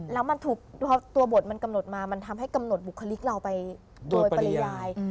แล้วมันถูกพอตัวบทมันกำหนดมามันทำให้กำหนดบุคลิกเราไปโดยปริยาย